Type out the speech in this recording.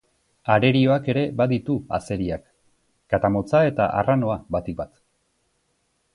Arerioak ere baditu azeriak: katamotza eta arranoa batik bat.